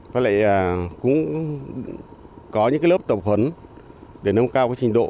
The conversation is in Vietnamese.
và lại cũng có những lớp tổng phấn để nâng cao trình độ